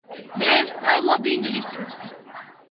მე ვსწავლობ ინგლისურს